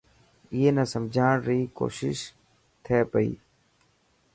اي نا سمجھاڻ ري ڪوشش ٿي پئي.